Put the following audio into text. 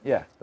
ya tentu saja